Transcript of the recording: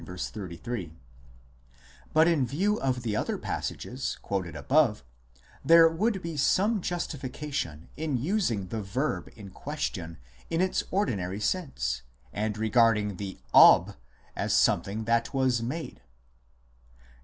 33) ; but in view of the other passages quoted above, there would be some justification in using the verb in question in its ordinary sense and regarding the Ob as something that was " made."